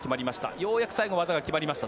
ようやく最後技が決まりました。